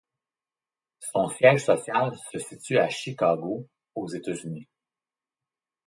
Son siège social se situe à Chicago, aux États-Unis.